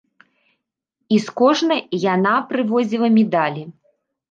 І з кожнай яна прывозіла медалі.